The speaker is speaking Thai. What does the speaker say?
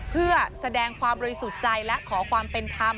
เพื่อแสดงความบริสุทธิ์ใจและขอความเป็นธรรม